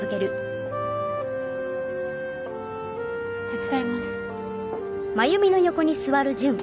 手伝います。